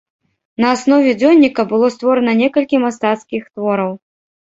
На аснове дзённіка было створана некалькі мастацкіх твораў.